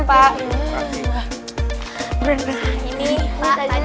ibu ini pak takjilnya